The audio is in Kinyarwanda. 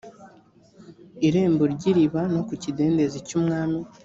irembo ry iriba no ku kidendezi cy umwami